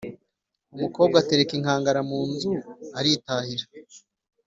Umukobwa atereka inkangara mu nzu aritahira